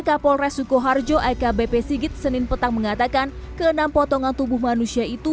kapolres sukoharjo akbp sigit senin petang mengatakan keenam potongan tubuh manusia itu